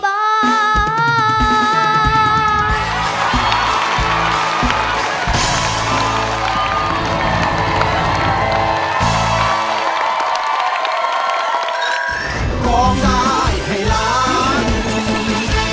บ่ได้โทรมาเพื่อกดกันแต่ว่าฉันนั้นแค่รอ